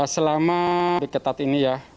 selama diketat ini ya